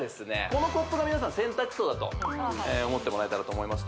このコップが洗濯槽だと思ってもらえたらと思います